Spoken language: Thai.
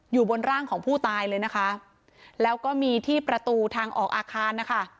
อยู่บนร่างของผู้ตายเลยนะคะแล้วก็มีที่ประตูทางออกอาคารนะคะ